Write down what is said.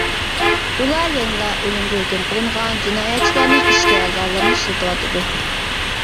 ئۇلار يەنىلا ئۆلۈمگە ھۆكۈم قىلىنغان جىنايەتچىلەرنىڭ ئىچكى ئەزالىرىنى ئىشلىتىۋاتىدۇ.